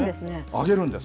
揚げるんです。